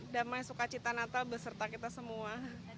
damai suka cinta natal beserta kita semua